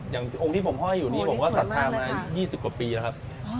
อย่างองค์ที่ผมห้อยอยู่นี่ผมก็ศรัทธามา๒๐กว่าปีแล้วครับ